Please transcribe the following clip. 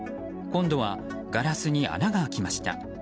今度はガラスに穴が開きました。